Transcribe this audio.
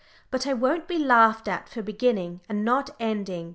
But I won't be laughed at for "beginning, and not ending."